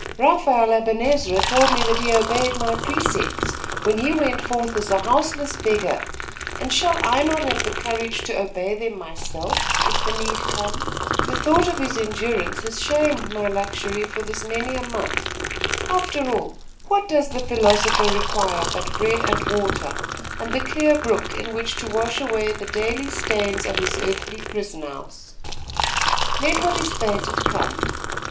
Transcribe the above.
Raphael Aben Ezra told me that he obeyed my precepts, when he went forth as a houseless beggar; and shall I not have courage to obey them myself, if the need come? The thought of his endurance has shamed my luxury for this many a month. After all, what does the philosopher require but bread and water, and the clear brook in which to wash away the daily stains of his earthly prison house? Let what is fated come.